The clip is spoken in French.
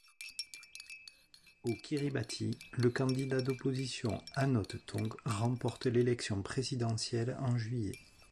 Aux Kiribati, le candidat d'opposition Anote Tong remporte l'élection présidentielle en juillet.